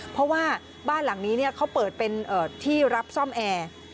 เพราะว่าบ้านหลังนี้เขาเปิดเป็นที่รับซ่อมแอร์